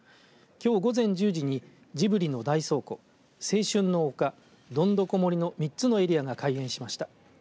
きょう午前１０時にジブリの大倉庫青春の丘、どんどこ森の３つのエリアが開園しました。